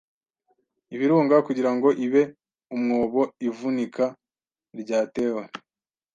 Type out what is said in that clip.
ibirunga kugirango ibe umwoboIvunika ryatewe